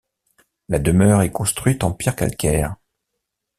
La demeure est construite en pierre calcaire.